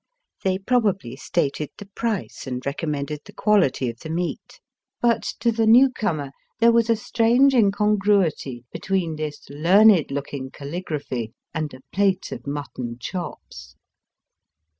They probably stated the price and recommended the quality of the meat ; but to the new comer there was a strange incongruity between this learned look ing caligraphy and a plate of mutton chops.